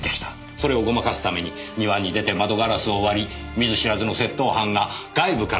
それをごまかすために庭に出て窓ガラスを割り見ず知らずの窃盗犯が外部から侵入した。